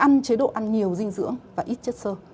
nhiều dinh dưỡng và ít chất sơ